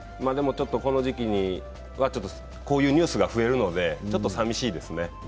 この時期にはこういうニュースが増えるのでちょっと寂しいですね。